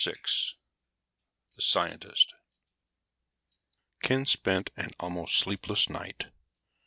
The Scientist Ken spent an almost sleepless night.